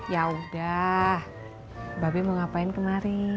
yaudah babi mau ngapain kemari